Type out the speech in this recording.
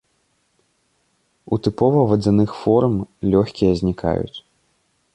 У тыпова вадзяных форм лёгкія знікаюць.